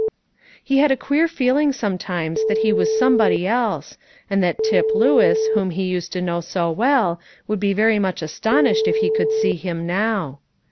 He had a queer feeling sometimes that he was somebody else, and that Tip Lewis, whom he used to know so well, would be very much astonished if he could see him now.